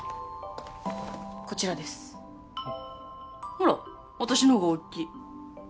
ほら私のほうが大きい。